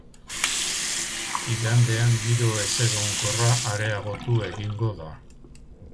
Igandean giro ezegonkorra areagotu egingo da.